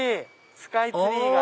スカイツリーが。